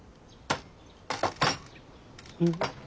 うん。